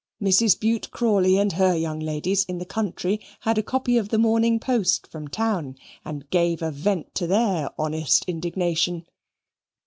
Mrs. Bute Crawley and her young ladies in the country had a copy of the Morning Post from town, and gave a vent to their honest indignation.